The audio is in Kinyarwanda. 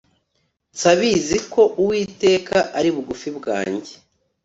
nsabizi ko uwiteka ari bugufi bwanjye